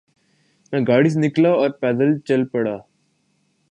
میں گاڑی سے نکلا اور پیدل چل پڑا۔